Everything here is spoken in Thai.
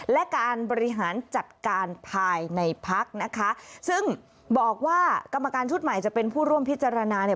และการบริหารจัดการภายในพักนะคะซึ่งบอกว่ากรรมการชุดใหม่จะเป็นผู้ร่วมพิจารณาเนี่ย